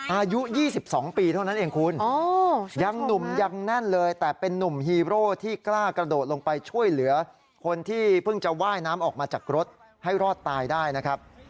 อายุ๒๒ปีเท่านั้นเองคุณยังหนุ่มยังแน่นเลยแต่เป็นนุ่มฮีโร่ที่กล้ากระโดดลงไปช่วยเหลือคนที่เพิ่งจะว่ายน้ำออกมาจากรถให้รอดตายได้นะครับ